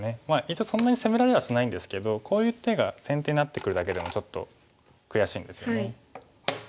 一応そんなに攻められはしないんですけどこういう手が先手になってくるだけでもちょっと悔しいんですよね。